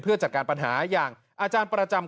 เพื่อจัดการปัญหาอย่างอาจารย์ประจำ